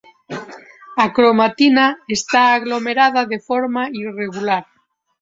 A cromatina está aglomerada de forma irregular.